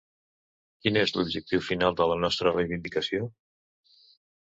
Quin és l’objectiu final de la nostra reivindicació?